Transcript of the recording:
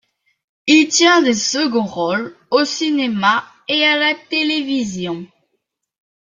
Il tient des seconds rôles au cinéma et à la télévision.